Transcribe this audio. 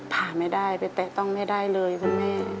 ผ่าไม่ได้ไปแตะต้องไม่ได้เลยคุณแม่